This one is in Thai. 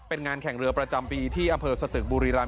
เป็นงานแข่งเรือประจำปีที่อำเภอสตึกบุรีรำ